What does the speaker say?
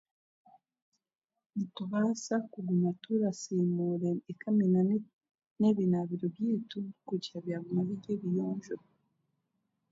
Nitubaasa kuguma turasiimuura ekamina n'ebinaabiro byaitu kugira ngu byaguma biri ebiyonjo